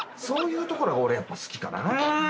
そういうところが俺やっぱ好きかな。